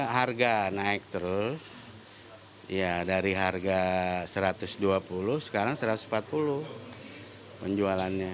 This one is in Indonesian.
harga naik terus ya dari harga satu ratus dua puluh sekarang satu ratus empat puluh penjualannya